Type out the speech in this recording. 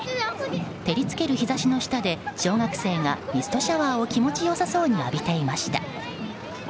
照りつける日差しの下で小学生がミストシャワーを気持ち良さそうに浴びていました。